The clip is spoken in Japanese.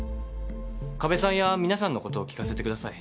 加部さんや皆さんのことを聞かせてください。